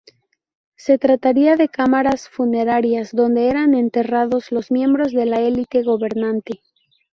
Se tratarían de cámaras funerarias, donde eran enterrados los miembros de la elite gobernante.